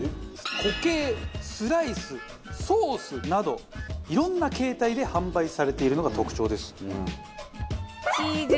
固形スライスソースなど色んな形態で販売されているのが特徴です。